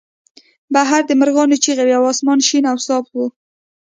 بهر د مرغانو چغې وې او اسمان شین او صاف و